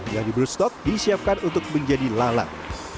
yang di burstok disiapkan untuk menjadi lalat